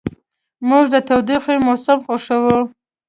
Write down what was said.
موږ د تودوخې موسم خوښوو.